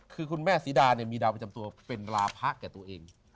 คือคุณแม่ศรีดามีดาวประจำตัวเป็นราพะแก่ตัวเอง